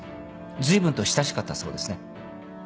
ずいぶんと親しかったそうですね。